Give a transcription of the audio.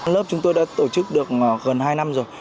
lớp chúng tôi đã tổ chức được gần hai năm rồi